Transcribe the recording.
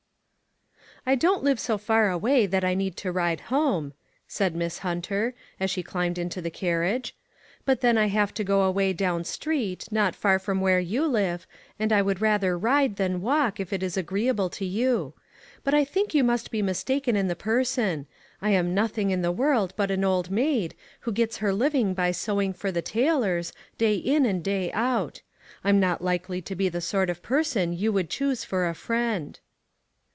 I DON'T live so far away that I need to ride home," said Miss Hunter, as she clambered into the carriage, "but then I have to go away down street, not far from where you live, and I would rather ride than walk, if it is agreeable to you. But I think you must be mistaken in the person. I am nothing in the world but an old maid, who gets her living by sewing for the tailors, day in and day out. I'm not • likely to be the sort of person you would choose for a friend."